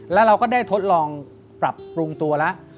แล้วเราก็ได้ทดลองปรับปรุงตัวแล้ว